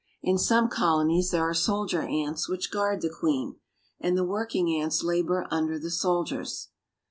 In some colonies there are soldier ants which guard the queen ; and the work ing ants labor under the soldiers.